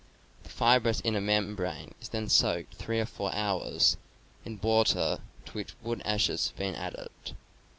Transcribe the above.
The fibrous inner membrane is then soaked three or four hours in water to which wood ashes have been added.